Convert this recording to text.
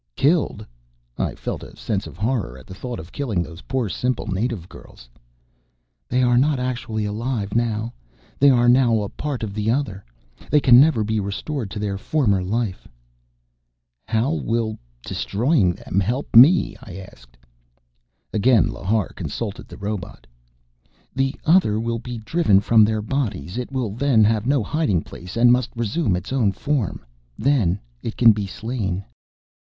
"Killed?" I felt a sense of horror at the thought of killing those poor simple native girls. "They are not actually alive now. They are now a part of the Other. They can never be restored to their former life." "How will destroying them help me?" I asked. Again Lhar consulted the robot. "The Other will be driven from their bodies. It will then have no hiding place and must resume its own form. Then it can be slain."